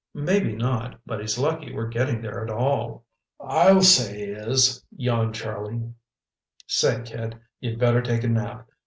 "Maybe not. But he's lucky we're getting there at all." "I'll say he is," yawned Charlie. "Say, kid, you'd better take a nap.